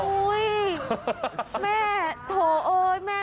อุ๊ยแม่โถ่เอ๊ยแม่